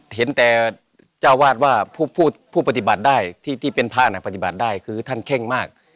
เห็นแต่เจ้าวาดว่าผู้ปฏิบัติได้ที่เป็นพระน่ะปฏิบัติได้คือท่านเข้งมาก